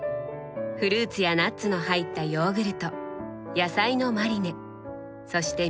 フルーツやナッツの入ったヨーグルト野菜のマリネそして